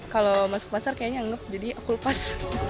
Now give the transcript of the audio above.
kalau masuk pasar kayaknya ngep jadi aku lepas